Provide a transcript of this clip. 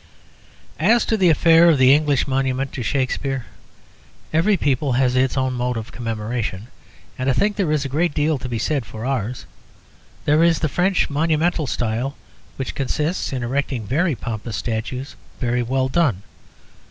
As to the affair of the English monument to Shakspere, every people has its own mode of commemoration, and I think there is a great deal to be said for ours. There is the French monumental style, which consists in erecting very pompous statues, very well done.